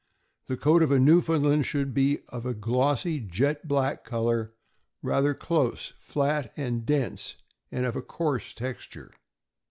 The coat of a Newfoundland should be of a glossy jet black color, rather close, flat, and dense, and of a coarse texture.